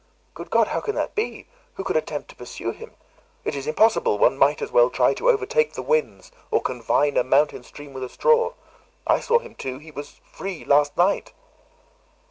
Good God! how can that be? who could attempt to pursue him? It is impossible; one might as well try to overtake the winds, or confine a mountain stream with a straw. I saw him too; he was free last night!"